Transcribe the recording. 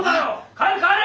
帰れ帰れ！